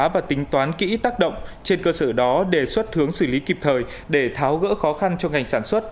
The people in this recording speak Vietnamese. và tính toán kỹ tác động trên cơ sở đó đề xuất hướng xử lý kịp thời để tháo gỡ khó khăn cho ngành sản xuất